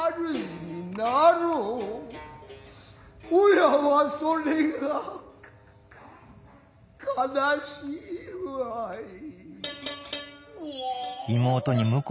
親はそれがか悲しいワイ。